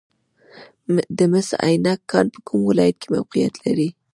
د مس عینک کان په کوم ولایت کې موقعیت لري؟